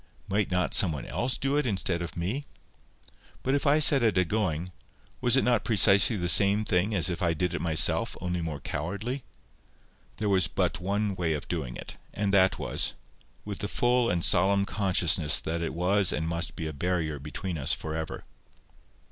Might not some one else do it instead of me? But if I set it agoing, was it not precisely the same thing as if I did it myself, only more cowardly? There was but one way of doing it, and that was—with the full and solemn consciousness that it was and must be a barrier between us for ever.